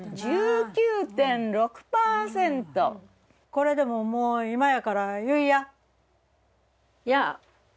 これでももう今やから言いや。